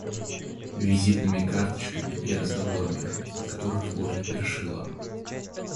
визитными карточками и разговорами, от которых в горле першило